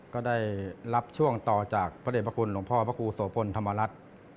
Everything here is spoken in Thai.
ก็ได้รับช่วงต่อจากพระเด็จพระคุณหลวงพ่อพระครูโสพลธรรมรัฐ